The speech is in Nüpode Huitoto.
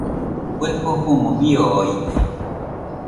Kue jofomo biooide.